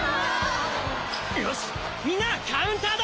よしみんなカウンターだ！